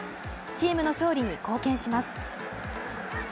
チームの勝利に貢献します。